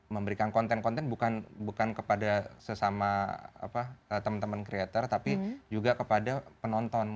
memberikan konten konten bukan bukan kepada sesama apa temen temen creator tapi juga kepada penonton